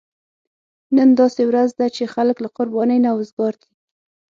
نن داسې ورځ ده چې خلک له قربانۍ نه وزګار دي.